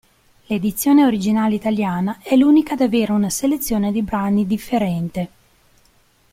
L'edizione originale italiana è l'unica ad avere una selezione di brani differente.